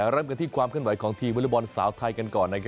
เริ่มกันที่ความขึ้นไหวของทีมวลบอลสาวไทยก่อนนะคะ